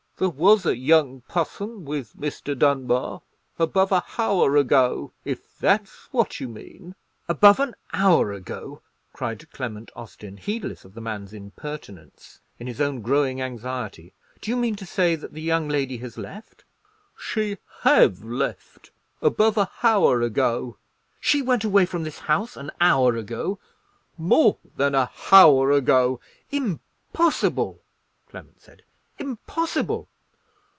There was a young pusson with Mr. Dunbar above a hour ago, if that's what you mean?" "Above an hour ago?" cried Clement Austin, heedless of the man's impertinence in his own growing anxiety; "do you mean to say that the young lady has left?" "She have left, above a hour ago." "She went away from this house an hour ago?" "More than a hour ago." "Impossible!" Clement said; "impossible!"